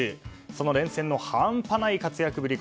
その連戦の半端ない活躍ぶり